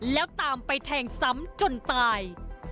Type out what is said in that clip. แล้วตามไปแทงซ้ำจนตาย